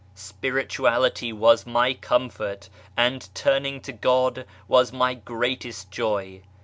Spirituality was my comfort, and turning to God was my greatest joy.